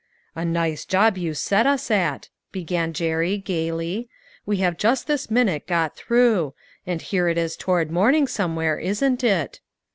"A nice job you set us at," began Jerry, gayly, " we have just this minute got through ; and here it is toward morning somewhere, isn't it?"